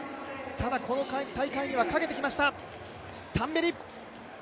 ただこの大会にはかけてきましたタンベリ。